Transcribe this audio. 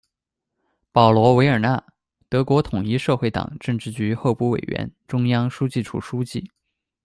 保罗·维尔纳，德国统一社会党政治局候补委员、中央书记处书记。